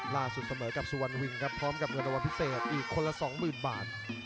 ล่าสุดเสมอกับสุวรรณวิงครับพร้อมกับเงินตัวพิเศษอีกคนละ๒๐๐๐๐บาท